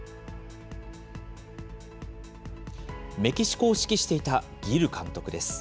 メキシコを指揮していたギル監督です。